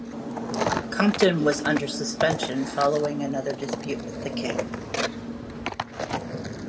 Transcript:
Compton was under suspension following another dispute with the King.